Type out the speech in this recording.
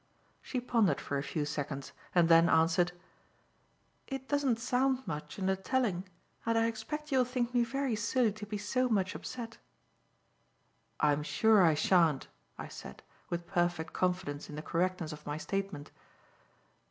She pondered for a few seconds and then answered: "It doesn't sound much in the telling and I expect you will think me very silly to be so much upset." "I'm sure I shan't," I said, with perfect confidence in the correctness of my statement.